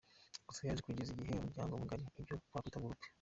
Gusa yaje kugera igihe iba umuryango mugari ibyo twakwita “Groupe”.